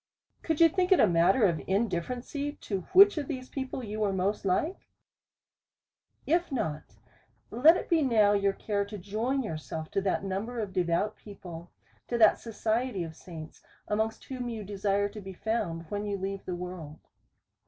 Could you think it a matter of indifference to which of these people you were most like ? If not, let it be now your care to join yourself to that number of devout people, to that society of saints, amongst whom you desire to be found, when you leave the world.